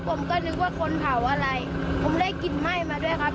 ผมก็นึกว่าคนเผาอะไรผมได้กลิ่นไหม้มาด้วยครับ